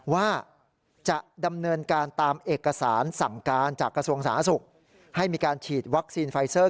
ว่าจะดำเนินการตามเอกสารสั่งการจากกระทรวงสาธารณสุขให้มีการฉีดวัคซีนไฟเซอร์